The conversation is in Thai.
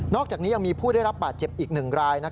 อกจากนี้ยังมีผู้ได้รับบาดเจ็บอีก๑ราย